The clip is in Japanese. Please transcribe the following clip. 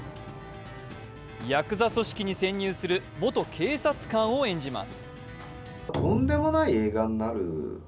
やくざ組織に潜入する元警察官を演じます。